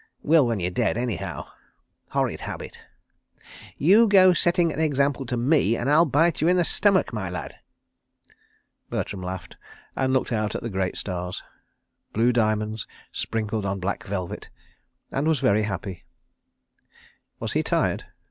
... Will when you're dead anyhow. ... Horrid habit. ... You go setting an example to me, and I'll bite you in the stomach, my lad. ..." Bertram laughed and looked out at the great stars—blue diamonds sprinkled on black velvet—and was very happy. Was he tired?